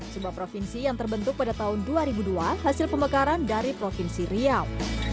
sebuah provinsi yang terbentuk pada tahun dua ribu dua hasil pemekaran dari provinsi riau